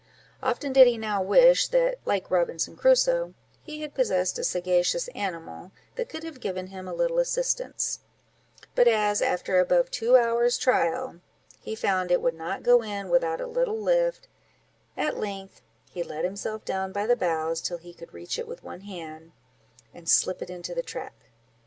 Often did he now wish, that, like Robinson Crusoe, he had possessed a sagacious animal, that could have given him a little assistance; but as, after above two hours' trial, he found it would not go in without a little lift, at length he let himself down by the boughs, till he could reach it with one hand, and slip it into the trap.